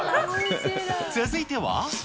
続いては。